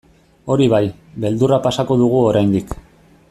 Hori bai, beldurra pasako dugu oraindik.